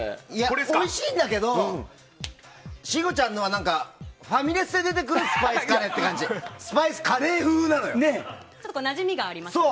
おいしいんだけど信五ちゃんのは何かファミレスで出てくるスパイスカレーって感じでちょっとなじみがありましたね。